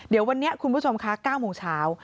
เดี๋ยววันนี้คุณผู้ชมคะ๙โมงเช้า